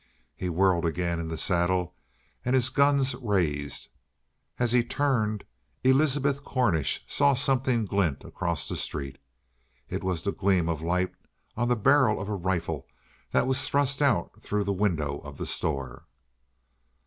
He whirled again in the saddle and his guns raised. As he turned, Elizabeth Cornish saw something glint across the street. It was the gleam of light on the barrel of a rifle that was thrust out through the window of the store.